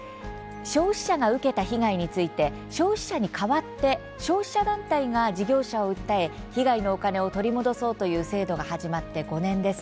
消費者が受けた被害について消費者に代わって消費者団体が事業者を訴え被害のお金を取り戻そうという制度が始まって５年です。